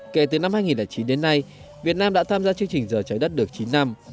kể từ năm hai nghìn chín đến nay việt nam đã tham gia chương trình giờ trái đất được chín năm